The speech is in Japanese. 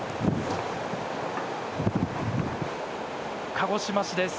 鹿児島市です。